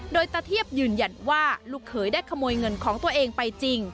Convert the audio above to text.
โดยตะเทียบยืนยันว่าลูกเขยได้ขโมยเงินของตัวเองไปจริง